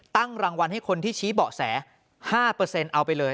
ตั้งรางวัลให้คนที่ชี้เบาะแส๕เอาไปเลย